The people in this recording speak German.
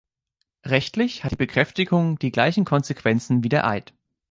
Rechtlich hat die Bekräftigung die gleichen Konsequenzen wie der Eid.